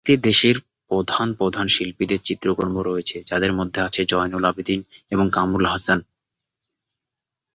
এতে দেশের প্রধান প্রধান শিল্পীদের চিত্রকর্ম রয়েছে যাদের মধ্যে আছে জয়নুল আবেদীন এবং কামরুল হাসান।